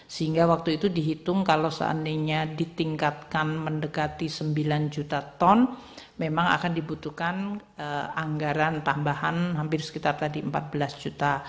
sehingga waktu itu dihitung kalau seandainya ditingkatkan mendekati sembilan juta ton memang akan dibutuhkan anggaran tambahan hampir sekitar tadi empat belas juta